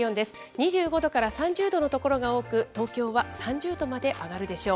２５度から３０度の所が多く、東京は３０度まで上がるでしょう。